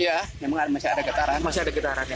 iya masih ada getaran